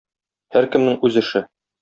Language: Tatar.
Һәркемнең үз эше.